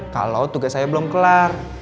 kalau tugas saya belum kelar